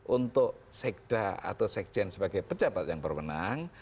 untuk sekda atau sekjen sebagai pejabat yang berwenang